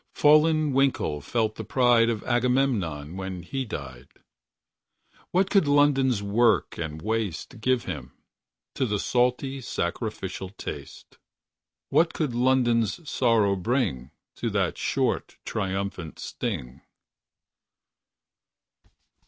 59 Fallen Winkle felt the pride Of Agamemnon When he died . What could London's Work and waste Give him— To that salty, sacrificial taste ? What could London's Sorrow bring— To that short, triumphant sting?